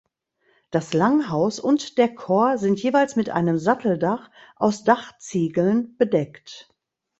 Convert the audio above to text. Das Langhaus und der Chor sind jeweils mit einem Satteldach aus Dachziegeln bedeckt.